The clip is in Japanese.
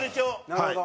なるほど！